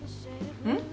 うん？